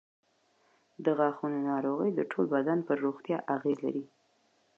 د غاښونو ناروغۍ د ټول بدن پر روغتیا اغېز لري.